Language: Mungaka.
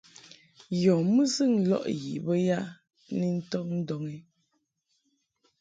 Yɔ mɨsɨŋ lɔʼ ya ni ntɔŋ ndɔŋ ɛ ?